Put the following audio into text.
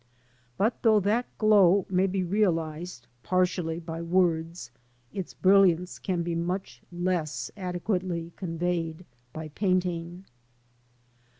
But though that glow may be realised partially by words, its brilliance can be much less adequately conveyed by painting.